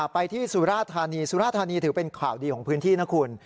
ไปที่สุราธานีสุราธานีถือเป็นข่าวดีของพื้นที่นะคุณ